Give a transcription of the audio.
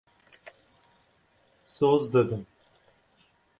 Soz didim.